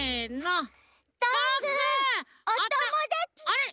あれ？